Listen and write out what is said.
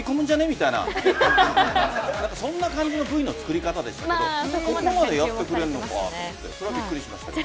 みたいなそんな感じのＶの作り方でしたけどそこまでやってくれるのかびっくりしました。